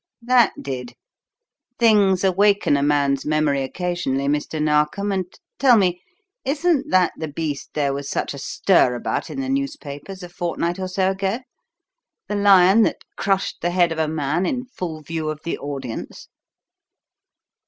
"That did. Things awaken a man's memory occasionally, Mr. Narkom, and Tell me, isn't that the beast there was such a stir about in the newspapers a fortnight or so ago the lion that crushed the head of a man in full view of the audience?"